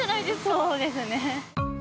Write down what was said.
そうですね。